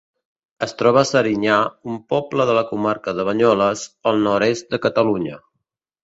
Es troba a Serinyà, un poble de la comarca de Banyoles, al nord-est de Catalunya.